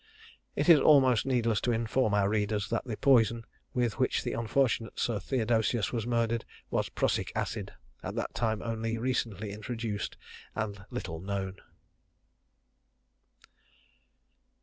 It is almost needless to inform our readers, that the poison with which the unfortunate Sir Theodosius was murdered was prussic acid, at that time only recently introduced and little known.